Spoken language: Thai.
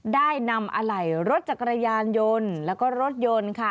ได้นำอะไหล่รถจักรยานยนต์แล้วก็รถยนต์ค่ะ